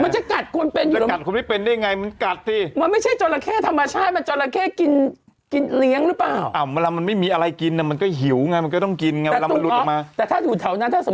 ฉันเหนื่อยอยู่๒วันนุ่มนุ่มนุ่ม